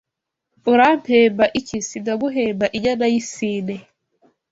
urampemba iki se ndaguhemba inyana y’ isine